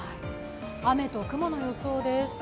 雨と雲の予想です。